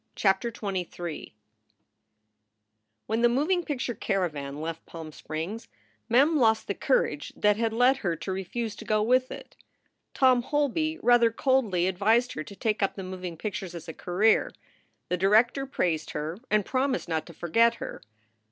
11 CHAPTER XXIII WHEN the moving picture caravan left Palm Springs, Mem lost the courage that had led her to refuse to go with it. Tom Holby rather coldly advised her to take up the moving pictures as a career. The director praised her and promised not to forget her.